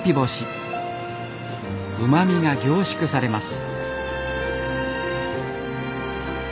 うまみが凝縮されます。